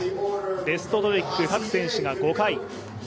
ベストトリック各選手が５回。